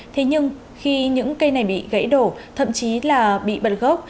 thế nhưng khi những cây này bị gãy đổ thậm chí là bị bật gốc